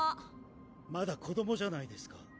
まだ子どもじゃないですか。